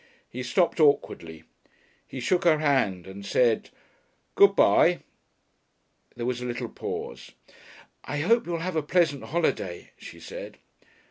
He stopped awkwardly. He shook her hand and said, "Good bye." There was a little pause. "I hope you will have a pleasant holiday," she said.